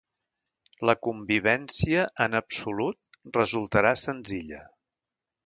La convivència en absolut resultarà senzilla.